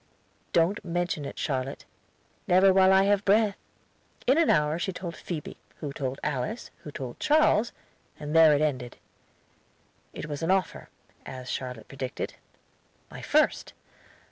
"Don't mention it, Charlotte." "Never while I have breath." In an hour she told Phoebe, who told Alice, who told Charles, and there it ended. It was an offer, as Charlotte predicted. My first!